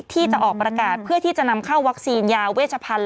ที่จะออกประกาศเพื่อที่จะนำเข้าวัคซีนยาเวชพันธุ์